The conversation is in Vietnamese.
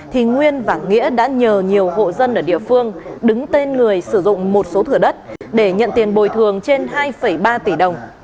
thì nguyên và nghĩa đã nhờ nhiều hộ dân ở địa phương đứng tên người sử dụng một số thửa đất để nhận tiền bồi thường trên hai ba tỷ đồng